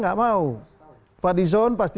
tidak mau fadison pasti